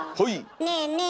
ねえねえ